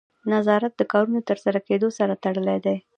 نظارت د کارونو د ترسره کیدو سره تړلی دی.